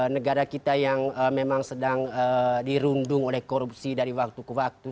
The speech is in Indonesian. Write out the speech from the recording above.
negara kita yang memang sedang dirundung oleh korupsi dari waktu ke waktu